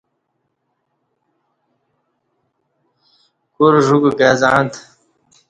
کور ژوکہ کائی زعں تہ